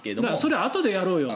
あとでやろうよ。